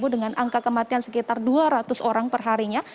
dengan angka kematian sekitar dua ratus orang per harinya